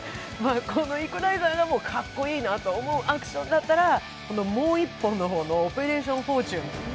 この「イコライザー」がかっこいいと思うアクションだったら、もう１本の方の「オペレーション・フォーチュン」